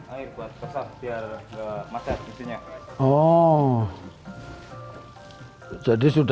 air buat pasah biar enggak masak isinya